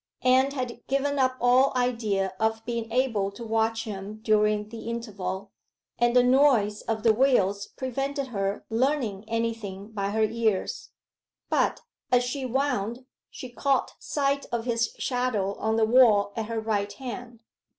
Anne had given up all idea of being able to watch him during the interval, and the noise of the wheels prevented her learning anything by her ears. But, as she wound, she caught sight of his shadow on the wall at her right hand.